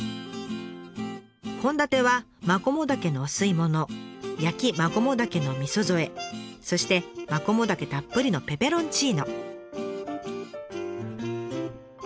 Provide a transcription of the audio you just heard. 献立はマコモダケのお吸い物焼きマコモダケのみそ添えそしてマコモダケたっぷりのペペロンチーノ。